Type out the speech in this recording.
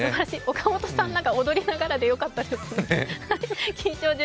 岡本さん、踊りながらでよかったですね。